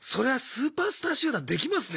スーパースター集団できますね